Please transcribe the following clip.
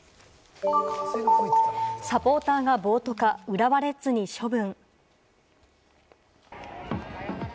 サポーターが暴徒化、浦和レッズに処分。